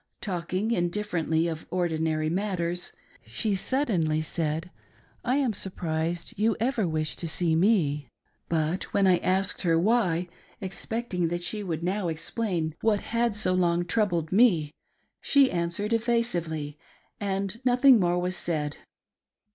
Talking indifferently of ordinary matters, she suddenly said, ," I am surprised you ever Wish to see me ;" but when I asked her why, expecting that she would now explain what had so long AN OBJECT OF INTEREST. 425 troubled me, she answered evasively, and nothing more was said.